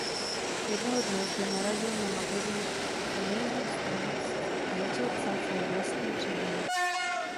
Jednoho dne zde narazil na magazín "Amazing Stories" a začal psát své vlastní příběhy.